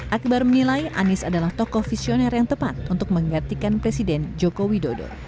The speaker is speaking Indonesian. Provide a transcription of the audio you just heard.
akbar menilai anies adalah tokoh visioner yang tepat untuk menggantikan presiden joko widodo